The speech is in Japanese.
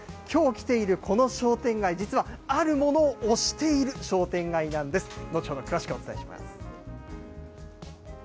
きょう来ているこの商店街、実はあるものを推している商店街なんです。